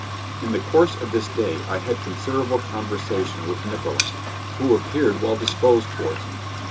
In the course of this day I had considerable conversation with Nickola, who appeared well disposed towards me.